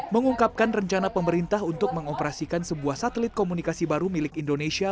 mengungkapkan rencana pemerintah untuk mengoperasikan sebuah satelit komunikasi baru milik indonesia